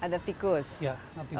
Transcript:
ya ada tikus satu